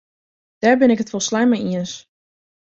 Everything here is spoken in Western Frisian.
Dêr bin ik it folslein mei iens.